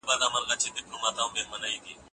هغه د څېړنیزي مقالي هره برخه په دقت ګوري.